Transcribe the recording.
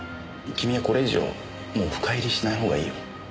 君はこれ以上もう深入りしないほうがいいよ。